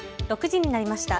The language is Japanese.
６時になりました。